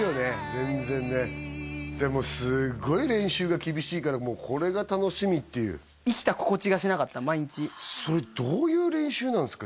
全然ねでもすごい練習が厳しいからもうこれが楽しみっていうそれどういう練習なんですか？